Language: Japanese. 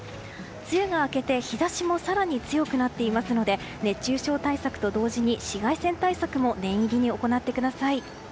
梅雨が明けて、日差しも更に強くなっていますので熱中症対策と同時に紫外線対策も念入りに行ってください。